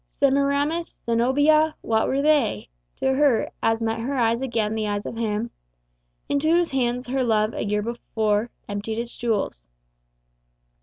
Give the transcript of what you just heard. Semiramis? Zenobia? What were they To her, as met her eyes again the eyes of him Into whose hands her love a year before Emptied its jewels!